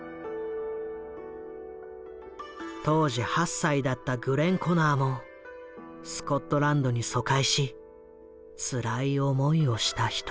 当時８歳だったグレンコナーもスコットランドに疎開しつらい思いをした一人だ。